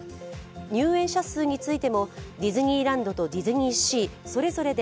入園者数についてもディズニーランドとディズニーシーそれぞれで